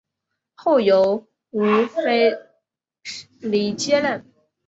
后由吴棐彝接任。